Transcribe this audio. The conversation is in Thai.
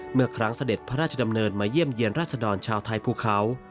เมื่อครั้งเสด็จพระราชดำเนินมาเยี่ยมเยี่ยนราชดรชาวไทยภูเขา